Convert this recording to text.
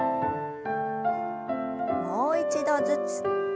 もう一度ずつ。